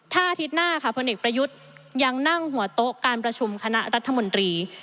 ถ้าอาทิตย์หน้าค่ะพลเอกประยุทธ์ยังนั่งหัวโต๊ะการประชุมคณะรัฐมนตรี